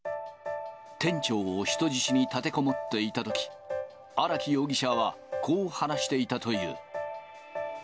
店長を人質に立てこもっていたとき、荒木容疑者はこう話していたという。